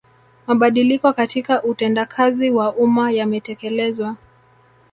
Mabadiliko katika utendakazi wa umma yametekelezwa